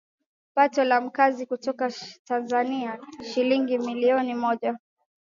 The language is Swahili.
pato la Mkazi kutoka Tanzania shilingi milioni moja